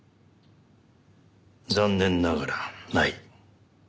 残念ながらない。